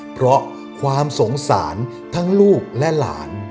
เพราะความสงสารทั้งลูกและหลาน